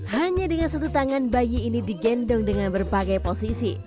hanya dengan satu tangan bayi ini digendong dengan berbagai posisi